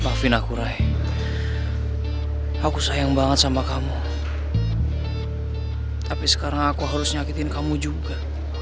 maafin akurai aku sayang banget sama kamu tapi sekarang aku harus nyakitin kamu juga